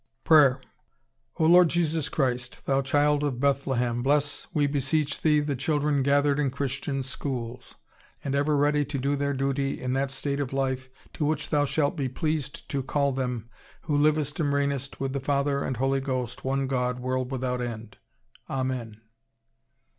PRAYER O Lord Jesus Christ, Thou Child of Bethlehem, bless, we beseech Thee, the children gathered in Christian schools; may they be truthful, pure, obedient, and ever ready to do their duty in that state of life to which Thou shalt be pleased to call them, Who livest and reignest with the Father and Holy Ghost, one God, world without end. Amen.